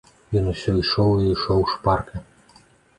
Ён усё ішоў і ішоў шпарка.